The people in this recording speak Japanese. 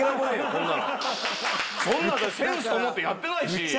そんなのだってセンスと思ってやってないし。